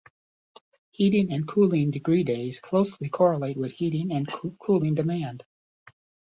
Heating and cooling degree days closely correlate with heating and cooling demand.